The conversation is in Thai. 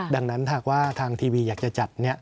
ดังนั้นหากว่าทางทีวีอยากจะจัด